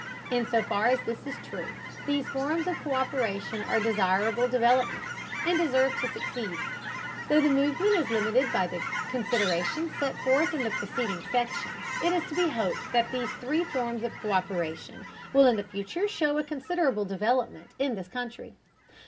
In so far as this is true, these forms of co÷peration are desirable developments, and deserve to succeed. Though the movement is limited by the considerations set forth in the preceding section, it is to be hoped that these three forms of co÷peration will in the future show a considerable development in this country.